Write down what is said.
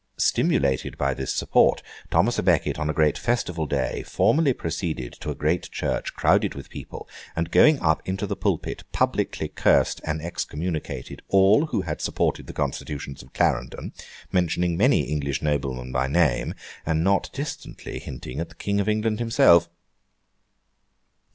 Stimulated by this support, Thomas à Becket, on a great festival day, formally proceeded to a great church crowded with people, and going up into the pulpit publicly cursed and excommunicated all who had supported the Constitutions of Clarendon: mentioning many English noblemen by name, and not distantly hinting at the King of England himself.